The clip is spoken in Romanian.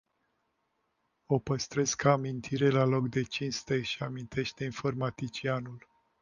O păstrez ca amintire la loc de cinste își amintește informaticianul.